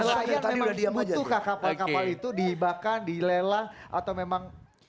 nelayan memang butuhkah kapal kapal itu dibakar dilelah atau memang